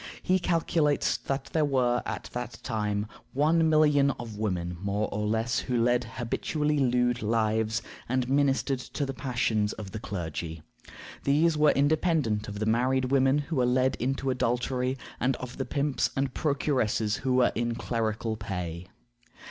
He calculates that there were at that time one million of women, more or less, who led habitually lewd lives, and ministered to the passions of the clergy. These were independent of the married women who were led into adultery, and of the pimps and procuresses who were in clerical pay.